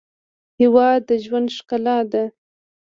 هېواد د ژوند ښکلا ده.